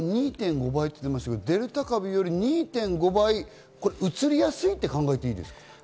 ２．５倍と言いましたが、デルタ株より２．５倍うつりやすいと考えていいですか？